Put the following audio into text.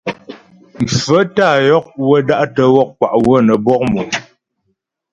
Mfaə́ tá yɔk wə́ da'tə́ wɔk kwá ywə́ nə́ bwɔk mò.